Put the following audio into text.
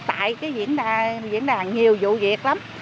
vì cái diễn đàn nhiều vụ việc lắm